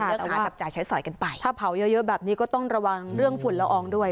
หาจับจ่ายใช้สอยกันไปถ้าเผาเยอะแบบนี้ก็ต้องระวังเรื่องฝุ่นละอองด้วย